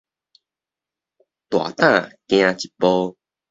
大膽行一步